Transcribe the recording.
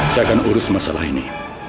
saya akan urus masalah ini